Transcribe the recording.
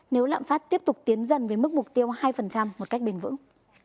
nếu lạm phát tiếp tục tiến dần với mức mục tiêu hai một cách bền vững